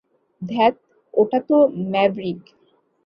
ধ্যাত, ওটা তো ম্যাভরিক।